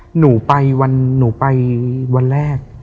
หนูไปวันหนูไปวันแรก